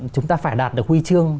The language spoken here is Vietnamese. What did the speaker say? chúng ta phải đạt được huy chương